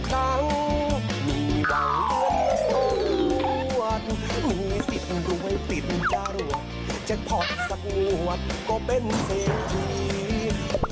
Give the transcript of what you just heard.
สักงวดก็เป็นเสกที